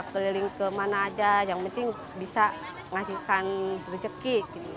keliling ke mana aja yang penting bisa ngasihkan rejeki